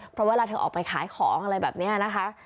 เพราะเวลาเธอออกไปขายของอะไรแบบนี้นะคะ